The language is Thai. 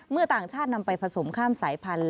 ต่างชาตินำไปผสมข้ามสายพันธุ์